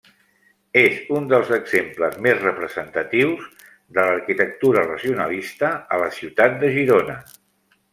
És un dels exemples més representatius de l'arquitectura racionalista a la ciutat de Girona.